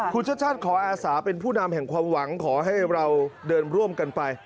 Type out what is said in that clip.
คุณชาติชาติขออาสาเป็นผู้นำแห่งความหวังขอให้เราเดินร่วมกันไป